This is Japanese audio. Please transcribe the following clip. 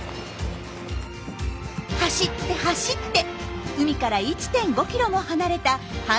走って走って海から１．５キロも離れた繁殖地へ。